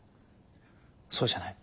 そうじゃない。